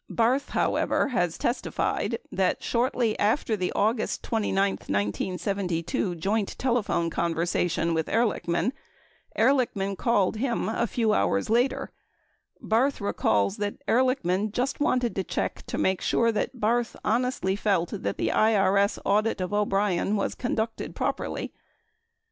30 Barth, however, has testified that shortly after the August 29, 1972 joint telephone conversation with Ehrlichman, Ehrlichman called him a few hours later. Barth recalls that Ehrlichman just wanted to check to make sure that Barth honestly felt that the IRS audit of O'Brien was conducted properly.